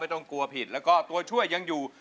ต้องกลัวผิดแล้วก็ตัวช่วยยังอยู่